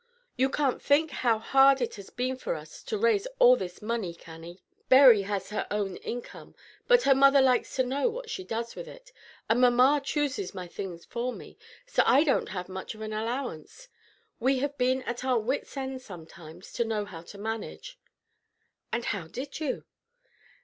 You can't think how hard it has been for us to raise all this money, Cannie. Berry has her own income, but her mother likes to know what she does with it; and mamma chooses my things for me, so I don't have much of an allowance. We have been at our wits' end sometimes to know how to manage." "And how did you?"